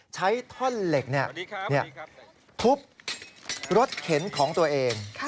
ใช้ท่อนเหล็กทุบรถเข็นของตัวเอง